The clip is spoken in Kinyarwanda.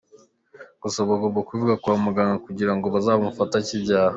Gusa aba agomba kubivuga kwa muganga kugira ngo bazamufashe akibyara.